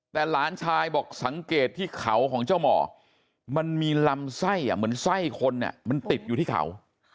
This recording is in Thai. แต่หลานชายบอกสังเกตที่เขาของเจ้าหมอมันมีลำไส้เหมือนไส้คนมันติดอยู่ที่เขา